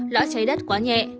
lõi trái đất quá nhẹ